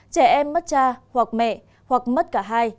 trẻ em mất cha hoặc mẹ hoặc mất cả hai